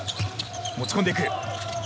持ち込んでいく。